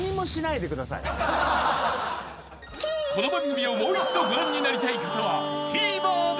［この番組をもう一度ご覧になりたい方はＴＶｅｒで］